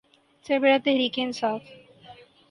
سربراہ تحریک انصاف۔